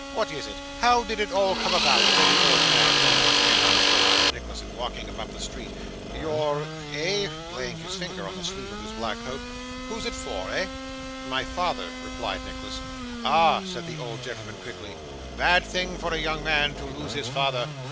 What is it? How did it all come about?' said the old man, laying his hand on the shoulder of Nicholas, and walking him up the street. 'You're Eh?' laying his finger on the sleeve of his black coat. 'Who's it for, eh?' 'My father,' replied Nicholas. 'Ah!' said the old gentleman quickly. 'Bad thing for a young man to lose his father.